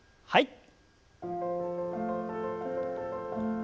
はい。